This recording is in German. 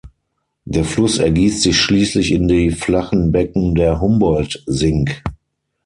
Der Fluss ergießt sich schließlich in die flachen Becken der Humboldt Sink.